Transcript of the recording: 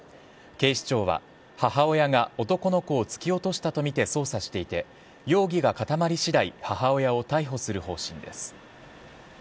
警視庁は、母親が男の子を突き落としたと見て捜査していて、容疑が固まり次第、母親を逮捕する方針です。